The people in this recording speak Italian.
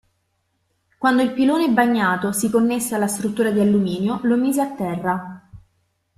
Quando il pilone bagnato si connesse alla struttura di alluminio lo mise a terra.